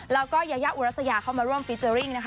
แล้วก็ยายาอุรัสยาเข้ามาร่วมฟีเจอร์ริ่งนะคะ